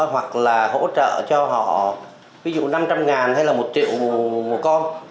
hoặc là hỗ trợ cho họ ví dụ năm trăm linh hay là một triệu một con